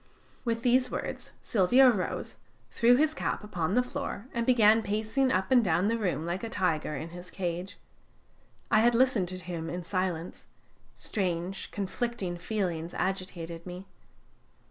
With these words, Silvio rose, threw his cap upon the floor, and began pacing up and down the room like a tiger in his cage. I had listened to him in silence; strange conflicting feelings agitated me.